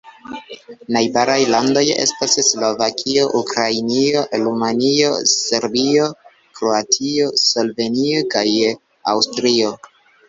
Najbaraj landoj estas Slovakio, Ukrainio, Rumanio, Serbio, Kroatio, Slovenio kaj Aŭstrio.